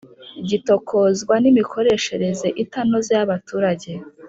Gitokozwa, n’imikoreshereze itanoze y’abaturage